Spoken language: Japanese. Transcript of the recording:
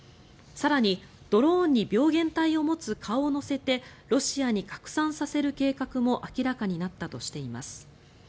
更に、ドローンに病原体を持つ蚊を乗せてロシアに拡散させる計画も明らかになったとしています。